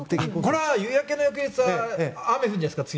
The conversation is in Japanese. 夕焼けの翌日は雨降るんじゃないですか？